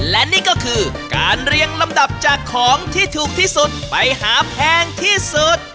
และนี่ก็คือการเรียงลำดับจากของที่ถูกที่สุดไปหาแพงที่สุด